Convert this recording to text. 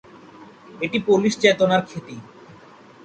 এটি পোলিশ চেতনার খ্যাতি।